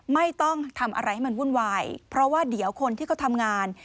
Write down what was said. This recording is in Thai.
ไม่ต้องทำอะไรให้มันวุ่นวายเพราะว่าเดี๋ยวคนที่เขาทำงาน